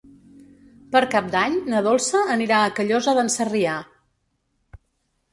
Per Cap d'Any na Dolça anirà a Callosa d'en Sarrià.